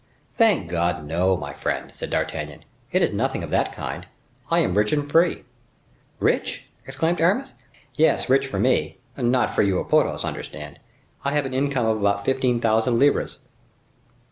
"Thank God, no, my friend," said D'Artagnan, "it is nothing of that kind.—I am rich and free." "Rich!" exclaimed Aramis. "Yes, rich for me; not for you or Porthos, understand. I have an income of about fifteen thousand livres."